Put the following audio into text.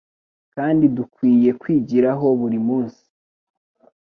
kandi dukwiye kwigiraho buri munsi